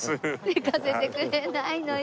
寝かせてくれないのよ。